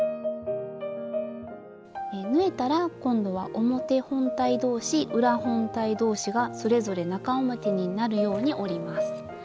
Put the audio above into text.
縫えたら今度は表本体どうし裏本体どうしがそれぞれ中表になるように折ります。